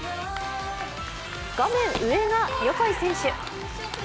画面上が、横井選手。